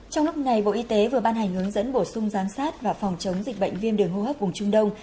trong lúc này bộ y tế vừa ban hành hướng dẫn bổ sung giám sát và phòng chống dịch bệnh viêm đường hô hấp vùng trung đông